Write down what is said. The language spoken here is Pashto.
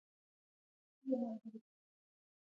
بزګان د افغانانو لپاره په معنوي لحاظ ارزښت لري.